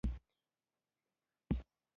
د کېږدیو مېچنو اورونه اخستي او وينې بهېدلې وې.